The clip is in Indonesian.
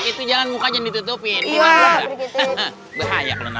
itu jangan mukanya ditutupin